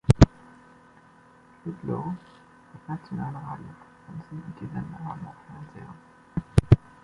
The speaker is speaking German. Ludlow hat nationale Radiofrequenzen und die Sender haben auch Fernseher.